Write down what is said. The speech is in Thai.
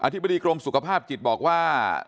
ธิบดีกรมสุขภาพจิตบอกว่า